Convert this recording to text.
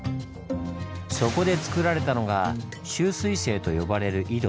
そこでつくられたのが集水井と呼ばれる井戸。